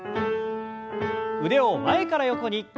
腕を前から横に。